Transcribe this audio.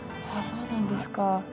そうなんですか。